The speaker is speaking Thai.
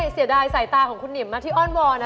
เสียดายสายตาของคุณหิมมากที่อ้อนวอนนะ